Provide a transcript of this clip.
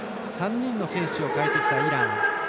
３人の選手を代えてきたイラン。